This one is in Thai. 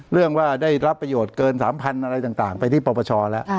เรื่องว่าได้รับประโยชน์เกินสามพันธุ์อะไรต่างต่างไปที่ประประชอแล้ว